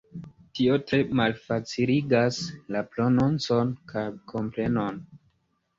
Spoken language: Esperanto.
Tio tre malfaciligas la prononcon kaj komprenon.